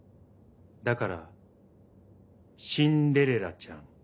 だからシンデレラちゃん。